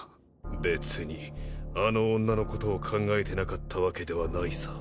別にあの女のことを考えてなかったわけではないさ。